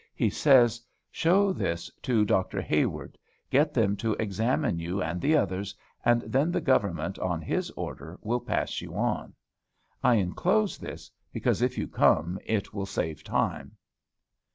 He says, "Show this to Dr. Hayward; get them to examine you and the others, and then the government, on his order, will pass you on." I enclose this, because, if you come, it will save time.